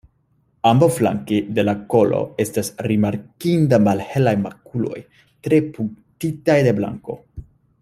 Ambaŭflanke de la kolo estas rimarkindaj malhelaj makuloj tre punktitaj de blanko.